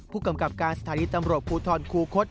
ผู้กำกับการสถานีตำรวจภูทรคูคศ